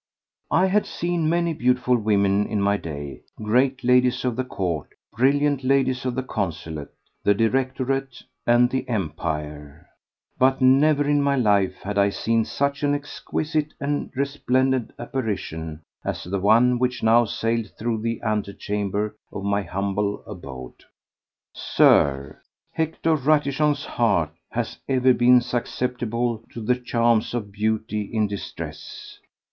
I had seen many beautiful women in my day—great ladies of the Court, brilliant ladies of the Consulate, the Directorate and the Empire—but never in my life had I seen such an exquisite and resplendent apparition as the one which now sailed through the antechamber of my humble abode. Sir, Hector Ratichon's heart has ever been susceptible to the charms of beauty in distress.